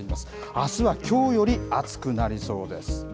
あすはきょうより暑くなりそうです。